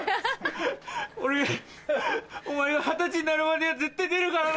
俺お前が二十歳になるまでには絶対出るからな！